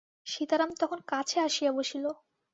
সীতারাম তখন কাছে আসিয়া বসিল।